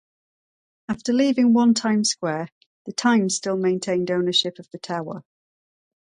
After leaving One Times Square, the "Times" still maintained ownership of the tower.